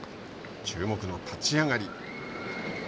注目の立ち上がり。